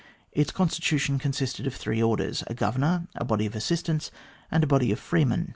Its constitution consisted of three orders a Governor, a body of assistants, and a body of freemen.